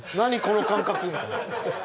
この感覚！みたいな。